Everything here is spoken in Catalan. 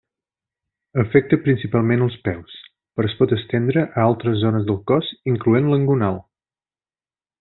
Afecta principalment els peus però es pot estendre a altres zones del cos incloent l'engonal.